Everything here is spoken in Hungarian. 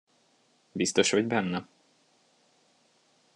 Biztos vagy benne?